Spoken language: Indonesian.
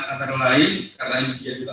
antara lain karena indonesia juga